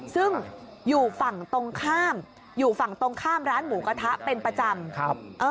ซึ่งอยู่ฝั่งตรงข้ามอยู่ฝั่งตรงข้ามร้านหมูกระทะเป็นประจำ